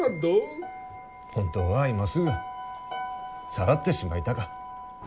本当は今すぐさらってしまいたか。